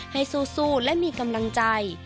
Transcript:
ให้สู้และมีกำลังใจ